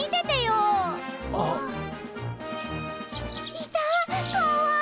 いたかわいい！